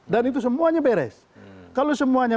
dan itu semuanya beres kalau semuanya